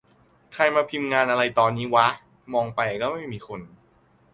ใครมาพิมพ์งานอะไรตอนนี้วะ มองไป ก็ไม่มีใคร